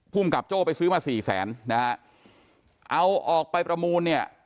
ภูมิกับโจ้ไปซื้อมาสี่แสนนะฮะเอาออกไปประมูลเนี่ย